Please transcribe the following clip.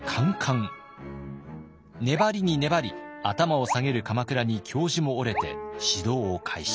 粘りに粘り頭を下げる鎌倉に教授も折れて指導を開始。